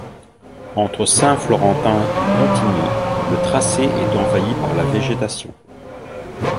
Entre Saint-Florentin et Pontigny, le tracé est envahi par la végétation.